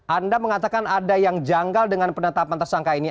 anda mengatakan ada yang janggal dengan penetapan tersangka ini